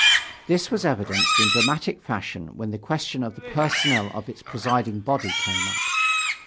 This was evidenced in dramatic fashion when the question of the personnel of its presiding body came up.